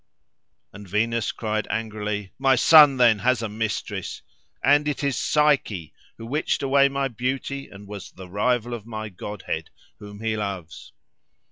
And Venus cried, angrily, "My son, then, has a mistress! And it is Psyche, who witched away my beauty and was the rival of my godhead, whom he loves!"